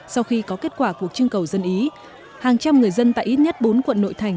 sau khi có kết quả cuộc trưng cầu dân ý hàng trăm người dân tại ít nhất bốn quận nội thành